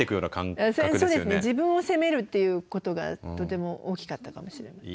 自分を責めるっていうことがとても大きかったかもしれません。